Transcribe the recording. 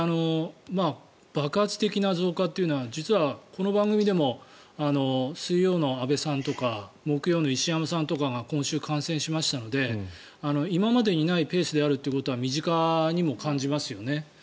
爆発的な増加というのは実はこの番組でも水曜の安部さんとか木曜の石山さんとかが今週、感染しましたので今までにないペースであるということは身近にも感じますよね。